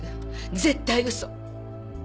絶対嘘。